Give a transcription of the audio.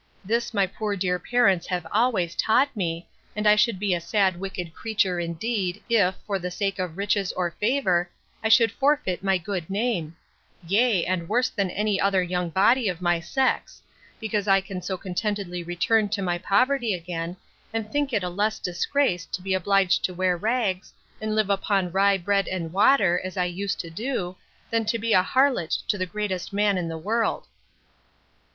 This my poor dear parents have always taught me; and I should be a sad wicked creature indeed, if, for the sake of riches or favour, I should forfeit my good name; yea, and worse than any other young body of my sex; because I can so contentedly return to my poverty again, and think it a less disgrace to be obliged to wear rags, and live upon rye bread and water, as I used to do, than to be a harlot to the greatest man in the world.